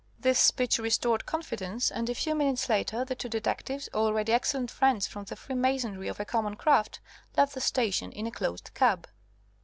This speech restored confidence, and a few minutes later the two detectives, already excellent friends from the freemasonry of a common craft, left the station in a closed cab.